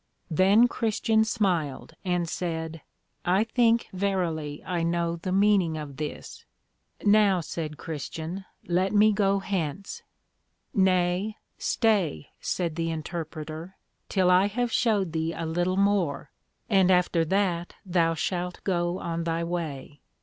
Then Christian smiled, and said, I think verily I know the meaning of this. Now, said Christian, let me go hence. Nay, stay, said the Interpreter, till I have shewed thee a little more, and after that thou shalt go on thy way.